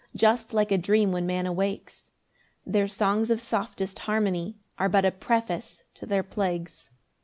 Just like a dream when man awakes; Their songs of softest harmony Are but a preface to their plagues.